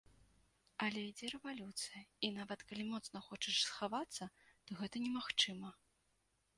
Але ідзе рэвалюцыя, і нават калі моцна хочаш схавацца, то гэта немагчыма.